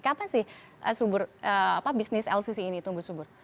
kapan sih bisnis lcc ini tumbuh subur